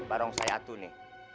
barongsai atu nih